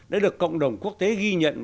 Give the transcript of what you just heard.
đã được cộng đồng quốc tế ghi nhận